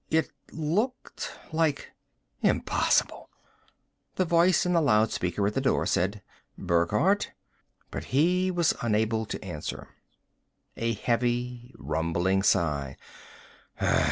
It looked like Impossible! The voice in the loudspeaker at the door said, "Burckhardt?" But he was unable to answer. A heavy rumbling sigh.